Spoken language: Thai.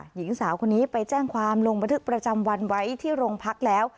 หญิงสาวคนนี้ไปแจ้งความลงบันทึกประจำวันไว้ที่โรงพักแล้ว